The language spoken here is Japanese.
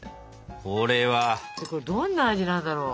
これどんな味なんだろう。